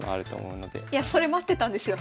いやそれ待ってたんですよ。